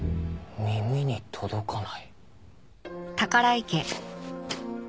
耳に届かない。